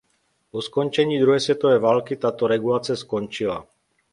Po skončení druhé světové války tato regulace skončila.